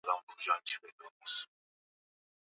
amechangia kwa kiwango kikubwa sana